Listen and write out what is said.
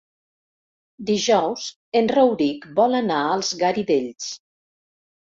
Dijous en Rauric vol anar als Garidells.